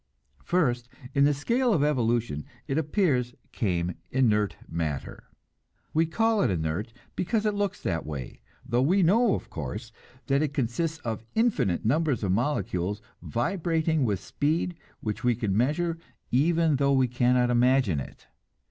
First in the scale of evolution, it appears, came inert matter. We call it inert, because it looks that way, though we know, of course, that it consists of infinite numbers of molecules vibrating with speed which we can measure even though we cannot imagine it.